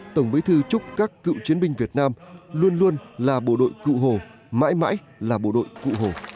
tổng bí thư chúc các cựu chiến binh việt nam luôn luôn là bộ đội cụ hồ mãi mãi là bộ đội cụ hồ